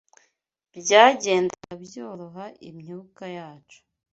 byagendaga byoroha imyuka yacu